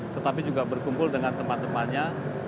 tetapi juga berkumpul dengan teman temannya